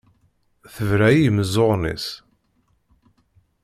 Tebra i yimeẓẓuɣen-is.